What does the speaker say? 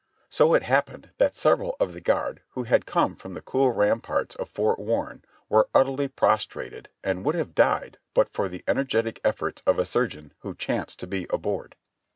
So it happened that several of the guard who had come from the cool ramparts of Fort Warren were utterly prostrated and would have died but for the energetic efforts of a surgeon who chanced to be aboard.